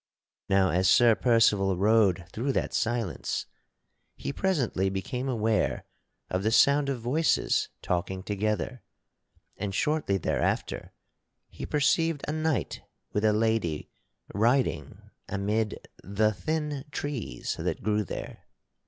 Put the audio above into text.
Now, as Sir Percival rode through that silence, he presently became aware of the sound of voices talking together, and shortly thereafter he perceived a knight with a lady riding amid the thin trees that grew there.